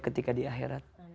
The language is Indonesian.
ketika di akhirat